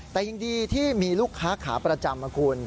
แต่ยังดีที่มีลูกค้าขาประจำนะคุณ